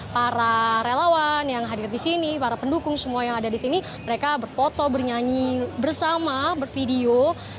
para relawan yang hadir di sini para pendukung semua yang ada di sini mereka berfoto bernyanyi bersama bervideo